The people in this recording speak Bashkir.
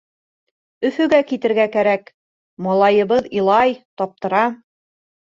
Өфөгә китергә кәрәк, малайыбыҙ илай, таптыра.